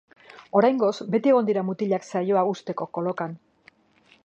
Oraingoz beti egon dira mutilak saioa uzteko kolokan.